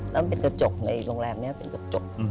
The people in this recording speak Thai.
แล้วมันเป็นกระจกในโรงแรมนี้เป็นกระจก